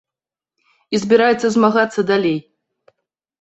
І збіраецца змагацца далей.